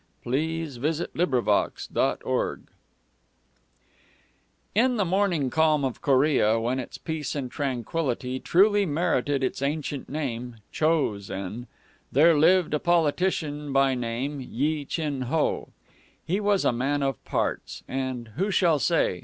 A NOSE FOR THE KING In the morning calm of Korea, when its peace and tranquility truly merited its ancient name, "Cho sen," there lived a politician by name Yi Chin Ho. He was a man of parts, and who shall say?